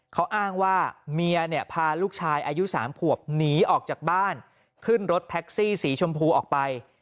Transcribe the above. เขาอ้างว่าเมียเนี่ยพาลูกชายอายุ๓ขวบหนีออกจากบ้านขึ้นรถแท็กซี่สีชมพูออกไป